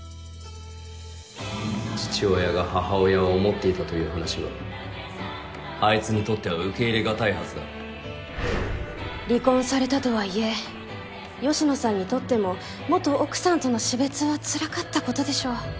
父親が母親を想っていたという話はアイツにとっては受け入れがたいはずだ離婚されたとはいえ芳野さんにとっても元奥さんとの死別はつらかったことでしょう。